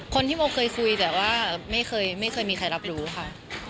คนที่โบเคยคุยแต่ว่าไม่เคยไม่เคยมีใครรับรู้ค่ะ